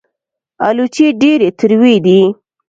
الوچې ډېرې تروې دي